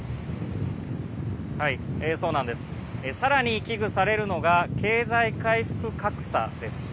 さらに、危惧されるのが経済回復格差です。